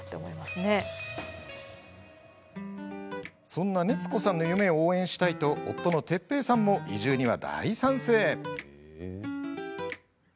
そんな熱子さんの夢を応援したいと夫の哲平さんも移住には大賛成。